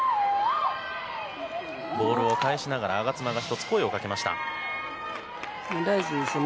ボールを返しながら我妻が声をかけました。